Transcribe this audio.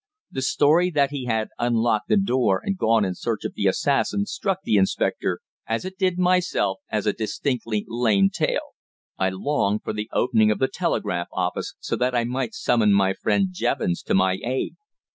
The story that he had unlocked the door and gone in search of the assassin struck the inspector, as it did myself, as a distinctly lame tale. I longed for the opening of the telegraph office, so that I might summon my friend Jevons to my aid.